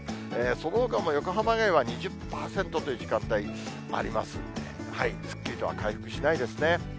そのほかも横浜では２０％という時間帯もありますので、すっきりとは回復しないですね。